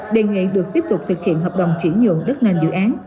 đề nghị được tiếp tục thực hiện hợp đồng chuyển nhượng đất làm dự án